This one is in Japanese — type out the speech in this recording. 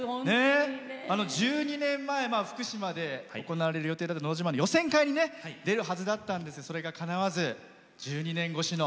１２年前福島で行われる予定だった「のど自慢」の予選会に出るはずだったんですけどそれがかなわず、１２年越しの。